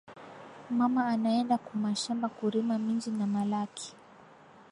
Mama ana enda ku mashamba ku rima minji na malaki